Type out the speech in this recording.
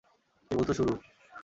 কেবল তো শুরু।